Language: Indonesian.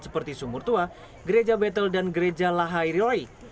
seperti sumur tua gereja betel dan gereja lahai rilai